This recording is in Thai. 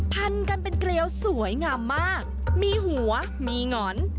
พันกันเป็นเกลียวสวยงามมากมีหัวมีหงอน